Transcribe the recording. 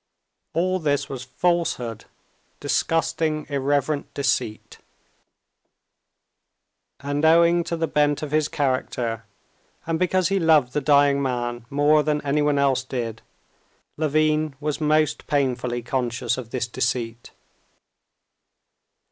All this was falsehood, disgusting, irreverent deceit. And owing to the bent of his character, and because he loved the dying man more than anyone else did, Levin was most painfully conscious of this deceit.